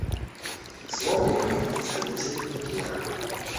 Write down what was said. Слово имеет представитель Нигера.